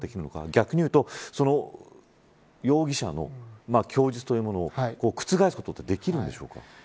逆にいうと、容疑者の供述というものを覆すことてできるんでしょうか。